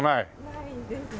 ないですね。